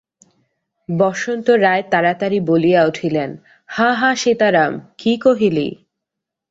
বসন্ত রায় তাড়াতাড়ি বলিয়া উঠিলেন, হাঁ হাঁ সীতারাম, কী কহিলি?